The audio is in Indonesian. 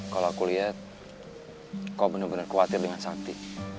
kalau aku lihat kau benar benar khawatir dengan santi